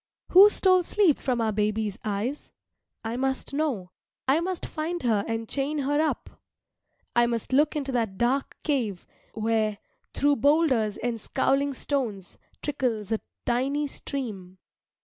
Who stole sleep from our baby's eyes? I must know. I must find her and chain her up. I must look into that dark cave, where, through boulders and scowling stones, trickles a tiny stream.